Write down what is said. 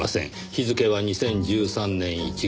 日付は２０１３年１月。